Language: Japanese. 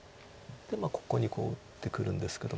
ここにこう打ってくるんですけども。